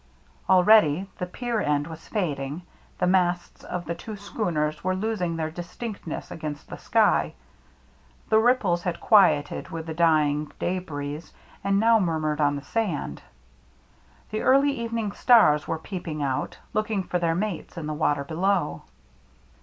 Already the pier end AT THE HOUSE ON STILTS 8i was fading, the masts of the two schooners were losing their distinctness against the sky ; the ripples had quieted with the dying day breeze, and now murmured on the sand. The early evening stars were peeping out, looking for their mates in the water below.